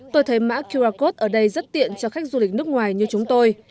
tôi thấy mã qr code ở đây rất tiện cho khách du lịch nước ngoài như chúng tôi